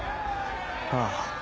ああ。